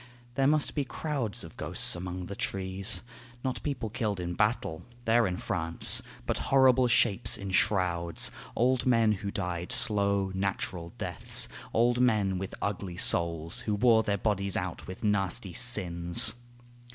There must be crowds of ghosts among the trees, Not people killed in battle, they're in France, But horrible shapes in shrouds old men who died Slow, natural deaths, old men with ugly souls, Who wore their bodies out with nasty sins.